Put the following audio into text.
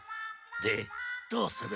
でどうする？